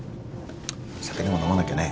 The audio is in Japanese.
酒でも飲まなきゃね